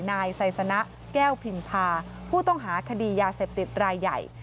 นายไซสนะแก้วพิมพาผู้ต้องหาคดียาเสพติดรายใหญ่